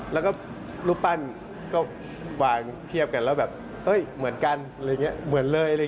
แล้วก็รูปปั้นก็วางเทียบกันแล้วแบบเฮ้ยเหมือนกันอะไรอย่างนี้เหมือนเลย